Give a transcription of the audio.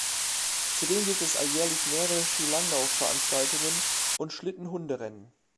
Zudem gibt es alljährlich mehrere Skilanglauf-Veranstaltungen und Schlittenhunderennen.